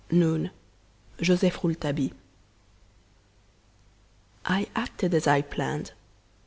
Noon. JOSEPH ROULETABILLE." "I acted as I planned.